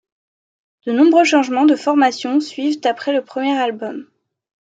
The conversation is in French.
De nombreux changements de formation suivent après le premier album.